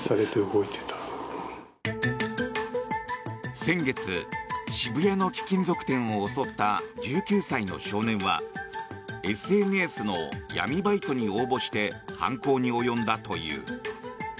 先月、渋谷の貴金属店を襲った１９歳の少年はＳＮＳの闇バイトに応募して犯行に及んだという。